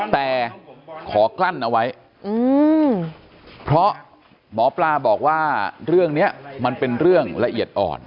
แต่ขอกลั้นเอาไว้เพราะหมอปลาบอกว่าเรื่องนี้มันเป็นเรื่องละเอียดอ่อน